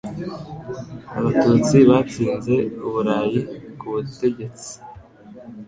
Abatutsi batsinze Uburayi ku butegetsi